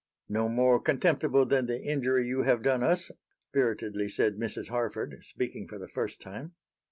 "No more contemptible than the injury you have done us," spiritedly said Mrs. Harford, speaking for the first time.